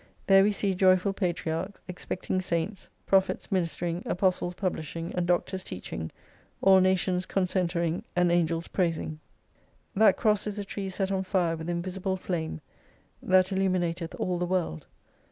There we see joyful Patriarchs, expecting Saints, Prophets minister 4» ing, Apostles publishing, and Doctors teaching, all Nations concentering, and Angels praising. That Cross is a tree set on fire with invisible flame, that illumi nateth all the world.